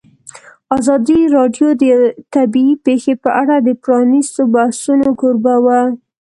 ازادي راډیو د طبیعي پېښې په اړه د پرانیستو بحثونو کوربه وه.